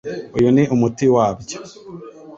uyu ni umuti wabyo.